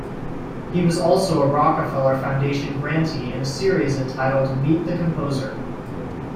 He was also a Rockefeller Foundation grantee in a series entitled Meet the Composer.